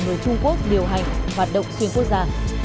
ngoài ra đối tượng của trung quốc điều hành hoạt động xuyên quốc gia